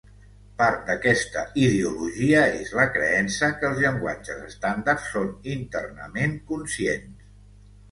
Part d’aquesta ideologia és la creença que els llenguatges estàndard són internament conscients.